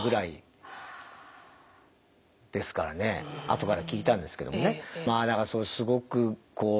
後から聞いたんですけどもね。